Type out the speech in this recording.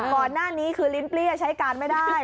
ก่อนหน้านี้คือลิ้นเปรี้ยใช้การไม่ได้